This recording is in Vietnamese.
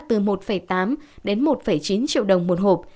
từ một tám một chín triệu đồng một hộp